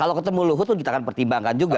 kalau ketemu luhut pun kita akan pertimbangkan juga